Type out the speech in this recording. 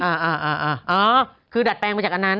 อ๋ออ๋อคือดัดแปลงมาจากอันนั้น